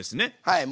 はい。